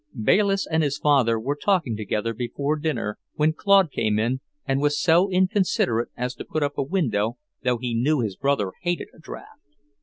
Bayliss and his father were talking together before dinner when Claude came in and was so inconsiderate as to put up a window, though he knew his brother hated a draft.